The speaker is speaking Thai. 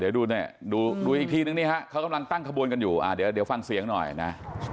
เดี๋ยวดูเนี่ยดูอีกทีนึงนี่ฮะเขากำลังตั้งขบวนกันอยู่เดี๋ยวฟังเสียงหน่อยนะ